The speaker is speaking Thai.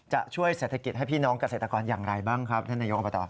จะช่วยเศรษฐกิจให้พี่น้องเกษตรกรอย่างไรบ้างครับท่านนายกอบต